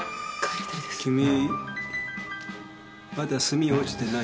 君まだ墨落ちてないよ。